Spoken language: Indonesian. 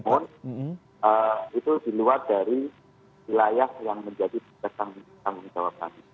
namun itu di luar dari wilayah yang menjadi tanggung jawab kami